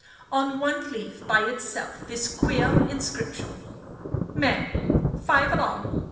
On one leaf, by itself, this queer inscription: "MEM. 5 ALONG.